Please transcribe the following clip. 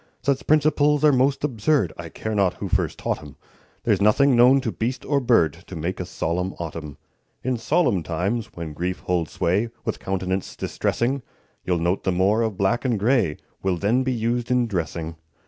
Such principles are most absurd, I care not who first taught 'em; There's nothing known to beast or bird To make a solemn autumn. In solemn times, when grief holds sway With countenance distressing, You'll note the more of black and gray Will then be used in dressing.